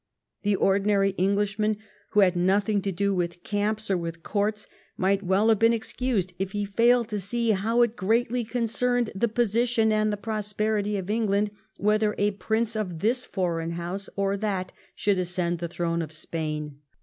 The ordinary English man who had nothing to do with camps or with courts might well have been excused if he failed to see how it greatly concerned the position and the prosperity of England whether a prince of this foreign house or that should ascend the throne of Spain.